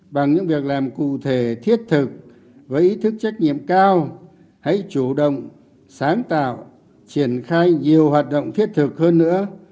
bằng những việc làm cụ thể thiết thực với ý thức trách nhiệm cao hãy chủ động sáng tạo triển khai nhiều hoạt động thiết thực hơn nữa